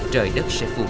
trời đất sẽ phù hộ mình